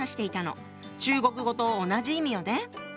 中国語と同じ意味よね。